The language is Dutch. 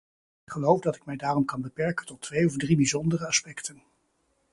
Ik geloof dat ik mij daarom kan beperken tot twee of drie bijzondere aspecten.